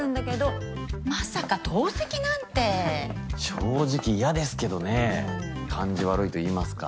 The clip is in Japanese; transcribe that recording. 正直嫌ですけどね感じ悪いといいますか。